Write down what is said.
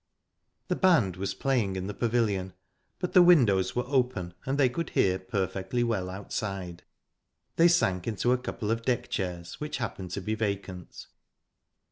The band was playing in the pavilion, but the windows were open, and they could hear perfectly well outside. They sank into a couple of deck chairs which happened to be vacant.